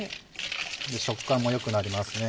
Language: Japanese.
食感も良くなります。